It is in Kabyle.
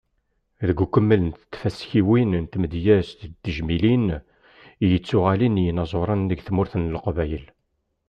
Deg ukemmel n tfaskiwin n tmedyazt d tejmilin i yettuɣalen i yinaẓuren deg tmurt n Leqbayel.